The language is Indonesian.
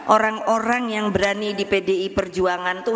orang orang yang berani di pdi perjuangan itu